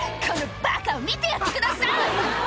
「このバカを見てやってください！」